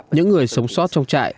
những người sống sót trong chạy